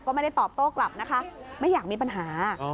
ก็ไม่ได้ตอบโต้กลับนะคะไม่อยากมีปัญหา